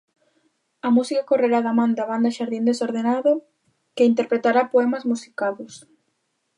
A música correrá da man da banda Xardín Desordenado, que interpretará poemas musicados.